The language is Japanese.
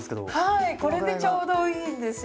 はいこれでちょうどいいんですよ。